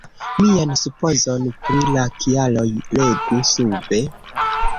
Mian supozon pri la kialoj legu sube.